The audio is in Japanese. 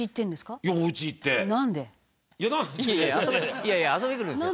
いやいや遊びに来るんですよ。